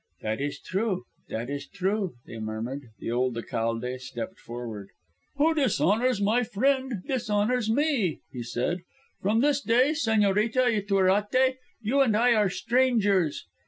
"That is true. That is true," they murmured. The old alcalde stepped forward. "Who dishonours my friend dishonours me," he said. "From this day, Señorita Ytuerate, you and I are strangers."